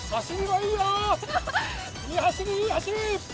いい走りいい走り！